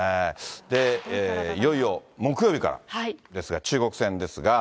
いよいよ木曜日からですが、中国戦ですが。